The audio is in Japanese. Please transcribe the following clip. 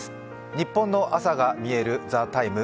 ニッポンの朝がみえる「ＴＨＥＴＩＭＥ，」